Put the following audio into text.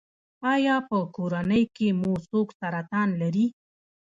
ایا په کورنۍ کې مو څوک سرطان لري؟